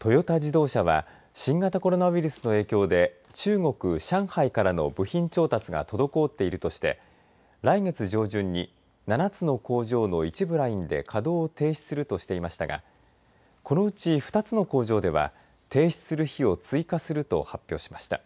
トヨタ自動車は新型コロナウイルスの影響で中国、上海からの部品調達が滞っているとして来月上旬に７つの工場の一部ラインで稼働を停止するとしていましたがこのうち２つの工場では停止する日を追加すると発表しました。